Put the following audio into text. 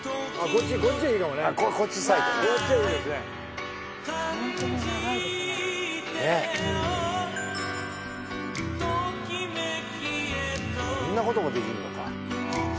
こんなこともできるのか